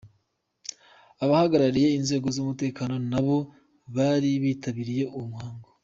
Abahagarariye inzego z'umutekano nabo bari bitabiriye uwo muhango.